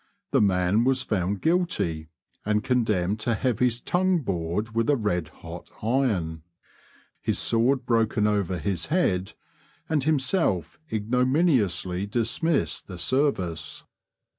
The man was found guilty and condemned to have his tongue bored with a red hot iron, his sword broken over his head, and himself ignominiously dismissed the service.